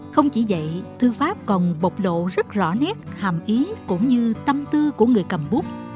không chỉ vậy thư pháp còn bộc lộ rất rõ nét hàm ý cũng như tâm tư của người cầm bút